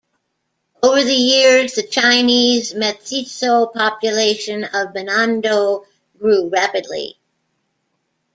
Over the years, the Chinese mestizo population of Binondo grew rapidly.